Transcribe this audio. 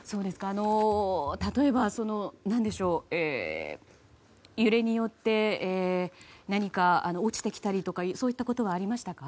例えば、揺れによって何か落ちてきたりとかそういったことはありましたか？